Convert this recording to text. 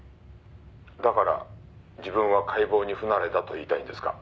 「だから自分は解剖に不慣れだと言いたいんですか？」